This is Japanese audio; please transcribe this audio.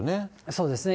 そうですね。